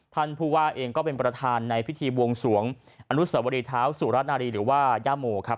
ท่านผู้ว่าเองก็เป็นประทานในพิธีวงศวงอสวทาสรุรนารีหรือว่าย่าโม